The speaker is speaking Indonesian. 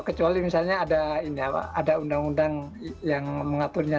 kecuali misalnya ada undang undang yang mengaturnya